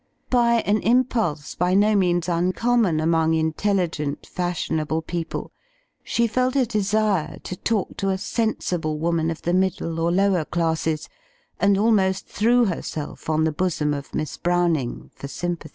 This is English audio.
By an impulse by no means uncommon among intel ligent, fashionable people, she felt a desire to talk to a sensible woman of the middle or lower classes; and almost threw herself on the bosom of Miss Browning for sympathy.